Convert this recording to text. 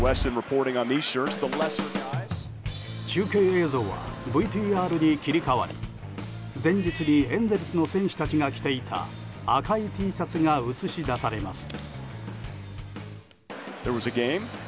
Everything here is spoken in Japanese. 中継映像はＶＴＲに切り替わり前日にエンゼルスの選手たちが着ていた赤いＴシャツが映し出されます。